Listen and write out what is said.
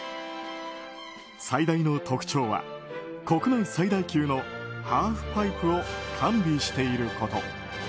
最大の特徴は国内最大級のハーフパイプを完備していること。